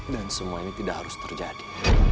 dan semua ini tidak harus terjadi